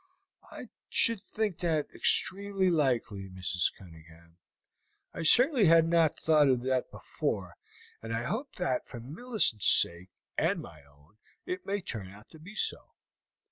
"I should think that extremely likely, Mrs. Cunningham. I certainly had not thought of that before, and I hope that for Millicent's sake and my own it may turn out to be so.